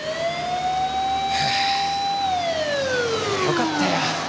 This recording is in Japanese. ハアよかったよ。